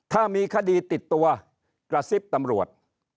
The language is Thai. ถ้ามีคดีติดตัวกระซิบตำรวจ